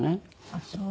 あっそう。